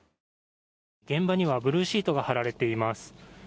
現場にはブルーシートが張られています。